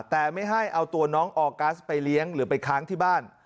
แต่ไม่ให้เอาตัวน้องออกัสไปเลี้ยงหรือไปค้างที่บ้าน